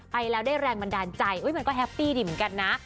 ไปแล้วได้แรงบันดาลใจมันก็แฮปปี้ดีเหมือนกันนะ